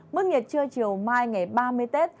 mức nhiệt trưa chiều mai ngày ba mươi tết